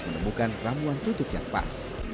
menemukan ramuan tutup yang pas